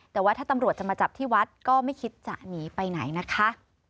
แต่ว่าถ้าตำรวจจะมาจับที่วัดก็ไม่คิดจะหนีไปไหนนะคะ